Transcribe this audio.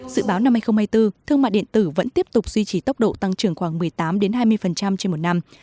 sự báo năm hai nghìn hai mươi bốn thương mại điện tử vẫn tiếp tục duy trì tốc độ tăng trưởng khoảng một mươi tám hai mươi trên một năm